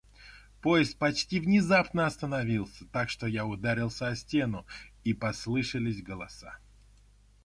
Поезд почти внезапно остановился, так что я ударился о стену, и послышались голоса.